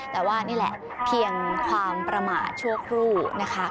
แต่ว่านี่แหละเพียงความประมาทชั่วครู่นะคะ